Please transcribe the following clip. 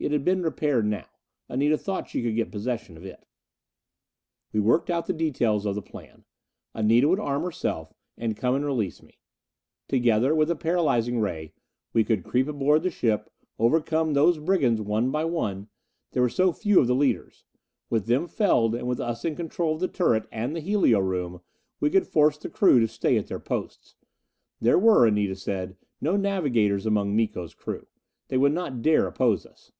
It had been repaired now; Anita thought she could get possession of it. We worked out the details of the plan. Anita would arm herself, and come and release me. Together, with a paralyzing ray, we could creep aboard the ship, overcome these brigands one by one. There were so few of the leaders. With them felled, and with us in control of the turret and the helio room we could force the crew to stay at their posts. There were, Anita said, no navigators among Miko's crew. They would not dare oppose us.